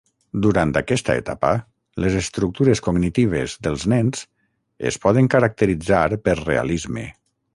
Durant aquesta etapa, les estructures cognitives dels nens es poden caracteritzar pel realisme.